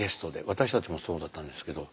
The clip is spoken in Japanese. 私たちもそうだったんですけど。